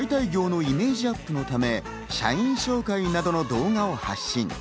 解体業のイメージアップのため、社員紹介などの動画を発信。